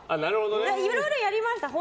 いろいろやりました。